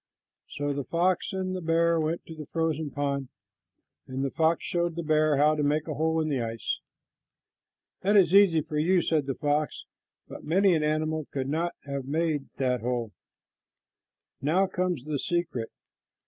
So the fox and the bear went to the frozen pond, and the fox showed the bear how to make a hole in the ice. "That is easy for you," said the fox, "but many an animal could not have made that hole. Now comes the secret.